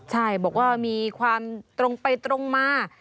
ใช่บอกว่ามีความตรงไปตรงมา